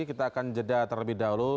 kita akan jeda terlebih dahulu